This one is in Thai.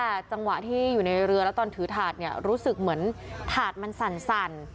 แต่จังหวะที่อยู่ในเรือแล้วตอนถือถาดเนี่ยรู้สึกเหมือนถาดมันสั่น